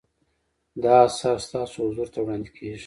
دا اثر ستاسو حضور ته وړاندې کیږي.